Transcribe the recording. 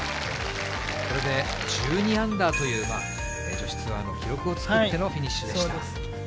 これで１２アンダーという、女子ツアーの記録を作ってのフィニッシュでした。